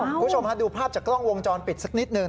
คุณผู้ชมฮะดูภาพจากกล้องวงจรปิดสักนิดหนึ่ง